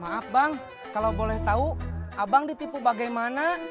maaf bang kalau boleh tahu abang ditipu bagaimana